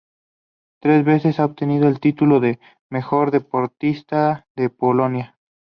Tres veces ha obtenido el título de Mejor Deportista de Polonia.